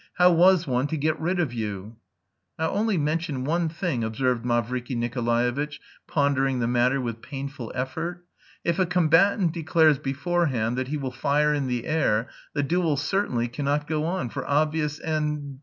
How was one to get rid of you?" "I'll only mention one thing," observed Mavriky Nikolaevitch, pondering the matter with painful effort. "If a combatant declares beforehand that he will fire in the air the duel certainly cannot go on... for obvious and...